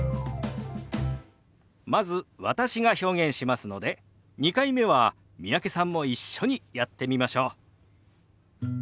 まず私が表現しますので２回目は三宅さんも一緒にやってみましょう。